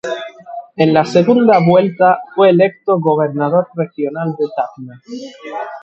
En la segunda vuelta fue electo gobernador regional de Tacna.